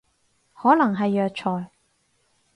可能係藥材